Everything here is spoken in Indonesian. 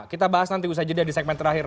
kita bahas nanti usaha jadinya di segmen terakhir